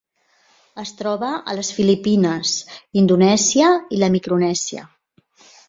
Es troba a les Filipines, Indonèsia i la Micronèsia.